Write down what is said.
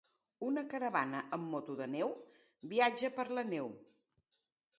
Una caravana amb moto de neu viatja per la neu.